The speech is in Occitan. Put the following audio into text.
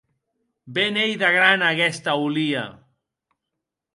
Be n’ei de grana aguesta holia!